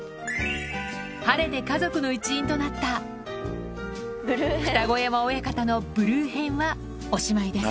晴れて家族の一員となった、二子山親方のブルー編はおしまいです。